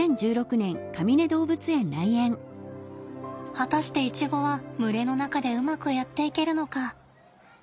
果たしてイチゴは群れの中でうまくやっていけるのか。